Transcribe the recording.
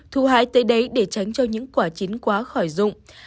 thu hái tới đấy để tránh cho những quả chín quá khỏi dụng